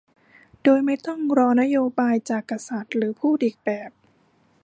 โดยไม่ต้องรอนโยบายจากกษัตริย์ หรือพูดอีกแบบ